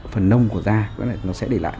phần nông của da nó sẽ để lại